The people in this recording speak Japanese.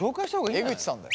江口さんだよ。